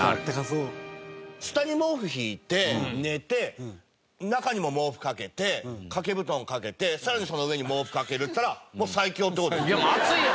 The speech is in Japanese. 下に毛布敷いて寝て中にも毛布かけて掛け布団かけてさらにその上に毛布かけるってしたらもう最強って事ですよね。